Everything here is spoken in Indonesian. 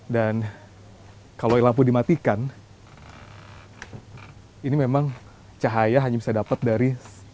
dan kalau lampu dimatikan ini memang cahaya hanya bisa dapat dari